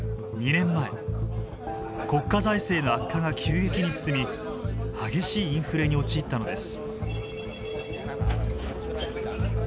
国家財政の悪化が急激に進み激しいインフレに陥ったのです。